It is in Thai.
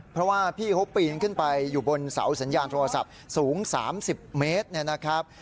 เพราะว่าพี่เขาปีนขึ้นไปอยู่บนเสาสัญญาณโทรศัพท์สูง๓๐เมตรเนี่ยนะครับ